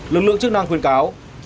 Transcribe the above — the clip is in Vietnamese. lực lượng chức năng khuyên cáo